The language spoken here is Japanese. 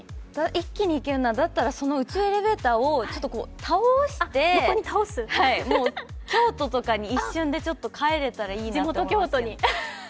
一気に行けるんだったら、その宇宙エレベーターを倒して京都とかに一瞬で帰れたらいいなとか思いますね。